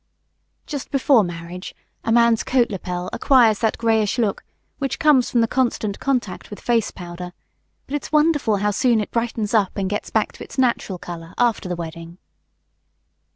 Just before marriage a man's coat lapel acquires that grayish look which comes from the constant contact with face powder, but it's wonderful how soon it brightens up and gets back its natural color after the wedding.